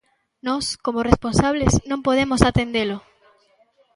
Nós, como responsables, non podemos atendelo.